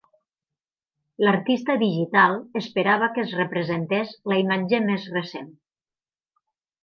L'artista digital esperava que es representés la imatge més recent.